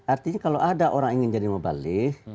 artinya kalau ada orang ingin jadi mubalik